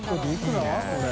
これ。